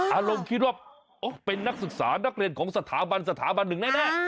อารมณ์คิดว่าเป็นนักศึกษานักเรียนของสถาบันสถาบันหนึ่งแน่